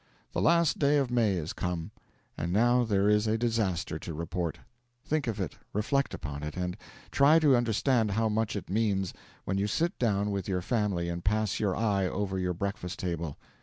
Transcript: The last day of May is come. And now there is a disaster to report: think of it, reflect upon it, and try to understand how much it means, when you sit down with your family and pass your eye over your breakfast table.